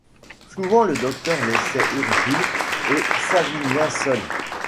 Souvent le docteur laissait Ursule et Savinien seuls.